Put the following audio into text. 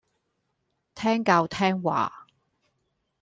聽教聽話